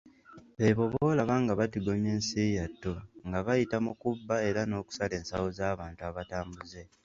Beebo b'olaba nga batigomya ensi yattu, nga bayita mu kubba era n'okusala ensawo z'abantu abatambuze.